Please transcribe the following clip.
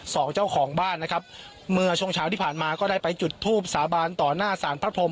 เจ้าของบ้านนะครับเมื่อช่วงเช้าที่ผ่านมาก็ได้ไปจุดทูบสาบานต่อหน้าสารพระพรม